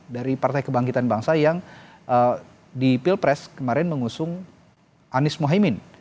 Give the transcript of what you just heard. dari partai kebangkitan bangsa yang di pilpres kemarin mengusung anies mohaimin